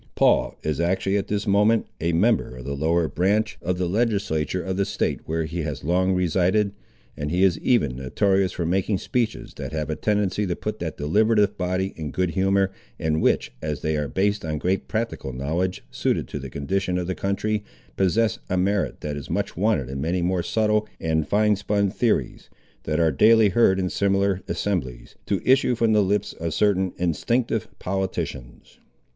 Paul is actually at this moment a member of the lower branch of the legislature of the State where he has long resided; and he is even notorious for making speeches that have a tendency to put that deliberative body in good humour, and which, as they are based on great practical knowledge suited to the condition of the country, possess a merit that is much wanted in many more subtle and fine spun theories, that are daily heard in similar assemblies, to issue from the lips of certain instinctive politicians.